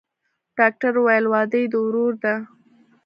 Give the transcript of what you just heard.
ډاکتر وويل واده يې د ورور دىه.